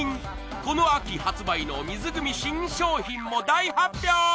この秋発売の水グミ新商品も大発表！